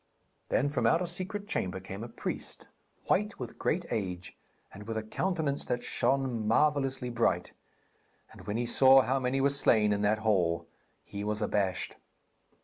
Then from out a secret chamber came a priest, white with great age, and with a countenance that shone marvellously bright; and when he saw how many were slain in that hall, he was abashed.